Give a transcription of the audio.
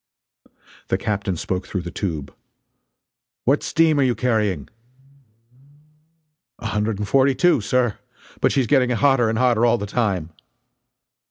The captain spoke through the tube: "What steam are you carrying?" "A hundred and forty two, sir! But she's getting hotter and hotter all the time."